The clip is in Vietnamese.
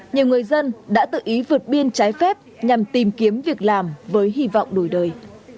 nhiều người dân đã tự ý vượt biên trái phép nhằm tìm kiếm việc làm với hy vọng đổi đời